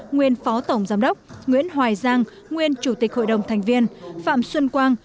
nguyên phó tổng giám đốc nguyễn hoài giang nguyên chủ tịch hội đồng thành viên phạm xuân quang